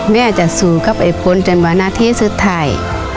แม่จะสู้เข้าไปพ้นจนวันอาทิตย์สุดท้าย